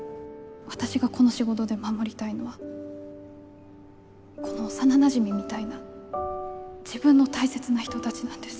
私がこの仕事で守りたいのはこの幼なじみみたいな自分の大切な人たちなんです。